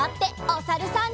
おさるさん。